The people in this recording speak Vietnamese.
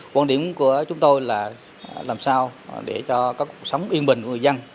quan điểm của chúng tôi là làm sao để cho cuộc sống yên bình của người dân